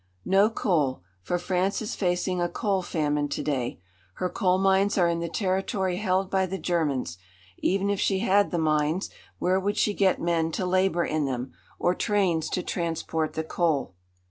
No coal, for France is facing a coal famine to day. Her coal mines are in the territory held by the Germans. Even if she had the mines, where would she get men to labour in them, or trains to transport the coal?